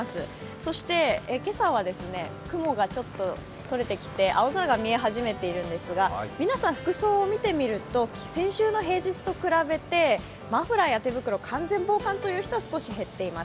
そして今朝は雲がとれてきて青空が見え始めてきているんですが皆さん服装を見てみると先週の平日と比べてマフラーや手袋、完全防寒という人は少し減っています。